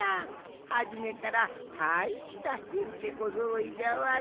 はじめからたいしたへんてこぞろいじゃわい！